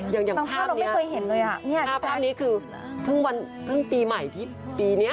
ตั้งถ้าเราไม่เคยเห็นเลยภาพภาพนี้คือพึ่งวันพีมีไม้ปีนี้